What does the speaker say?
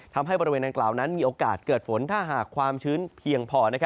ทำให้บริเวณดังกล่าวนั้นมีโอกาสเกิดฝนถ้าหากความชื้นเพียงพอ